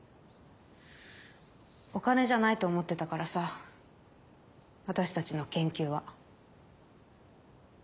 お金じゃないと思ってたからさ私たちの研究は。